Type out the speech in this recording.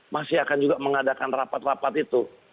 masih akan juga mengadakan rapat rapat itu